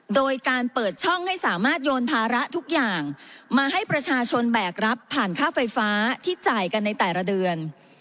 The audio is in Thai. โดยการเปิดช่องให้สามารถโยนภาระทุกอย่างมาให้ประชาชนแบกรับผ่านค่าไฟฟ้าที่จ่ายกันในแต่ละเดือน